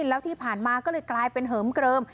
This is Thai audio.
แล้วที่ผ่านมาก็เลยกลายเป็นเหิมเกลิม